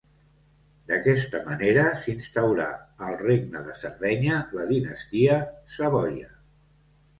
D'aquesta manera s'instaurà al Regne de Sardenya la dinastia Savoia.